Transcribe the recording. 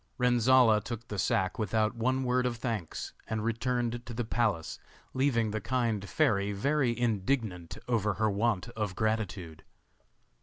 Renzolla took the sack without one word of thanks, and returned to the palace, leaving the kind fairy very indignant over her want of gratitude.